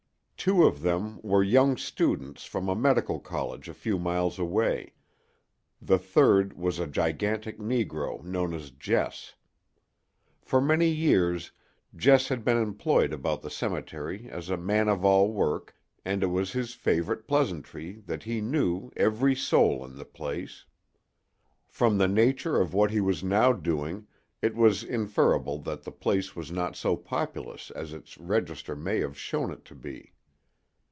Two of them were young students from a medical college a few miles away; the third was a gigantic negro known as Jess. For many years Jess had been employed about the cemetery as a man of all work and it was his favorite pleasantry that he knew "every soul in the place." From the nature of what he was now doing it was inferable that the place was not so populous as its register may have shown it to be.